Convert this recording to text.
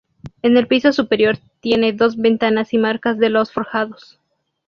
En el piso superior tiene dos ventanas y marcas de los forjados.